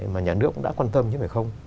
mà nhà nước cũng đã quan tâm chứ phải không